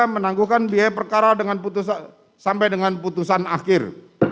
empat menanggungkan biaya perkara sampai dengan putusan akhir